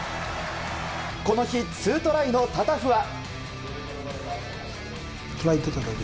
この日２トライのタタフは。